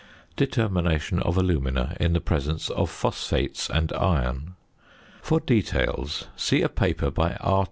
~Determination of Alumina in the Presence of Phosphates and Iron.~ For details, see a paper by R.